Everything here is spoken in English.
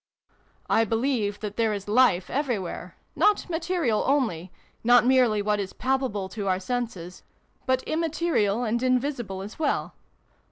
" I believe that there is life everywhere not material only, not merely what is palpable to our senses but immaterial and invisible as well.